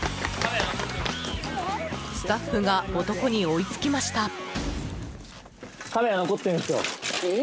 スタッフが男に追いつきました。